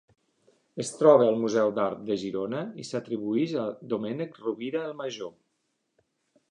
Es troba al Museu d’Art de Girona, i s’atribueix a Domènec Rovira el Major.